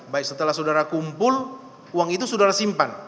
baik setelah saudara kumpul uang itu saudara simpan